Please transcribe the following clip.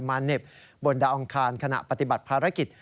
เหน็บบนดาวอังคารขณะปฏิบัติภารกิจ